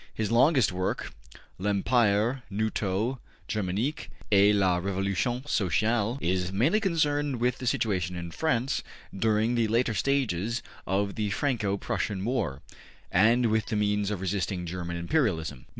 His longest work, ``L'Empire Knouto Germanique et la Revolution Sociale,'' is mainly concerned with the situation in France during the later stages of the Franco Prussian War, and with the means of resisting German imperialism.